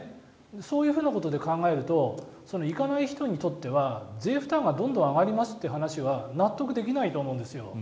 そういうことで考えるとその行かない人にとっては税負担がどんどん上がりますという話は納得できないと思うんです。